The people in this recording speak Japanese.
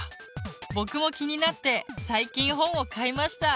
僕も気になって最近本を買いました。